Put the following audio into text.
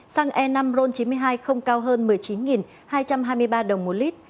xăng e năm ron chín mươi hai không cao hơn một mươi chín hai trăm hai mươi ba đồng một lít